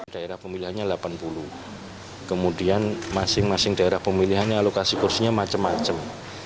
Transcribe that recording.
daerah pemilihannya delapan puluh kemudian masing masing daerah pemilihannya alokasi kursinya macam macam